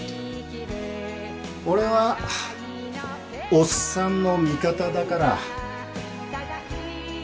俺はおっさんの味方だから。